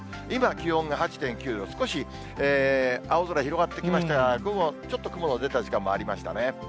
今、気温が８．９度、少し青空、広がってきましたが、午後、ちょっと雲の出た時間もありましたね。